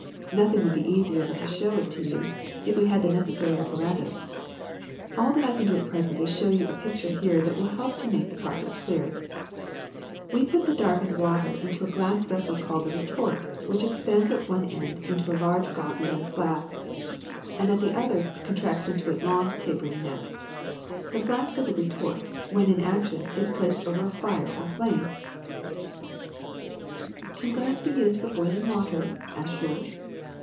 Nothing would be easier than to show it to you if we had the necessary apparatus. All that I can do at present is to show you a pic ture here that will help to make the process clear. We put the darkened water into a glass VeS Retort (a) and Re ceiver ( b ) sel called a retort, which expands at one end into a large globular flask, and at the other contracts into a long, tapering neck. The flask of the retort, when in action, is placed over a fire or flame." ^38 THE SECRET OF EVERYDAY THINGS ^^Can glass be used for boiling water?'' asked Jules.